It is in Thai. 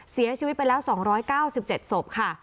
เสียชีวิตไปแล้ว๒๙๗ศพค่ะ